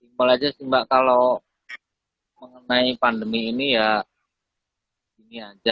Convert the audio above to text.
simpel aja sih mbak kalau mengenai pandemi ini ya ini aja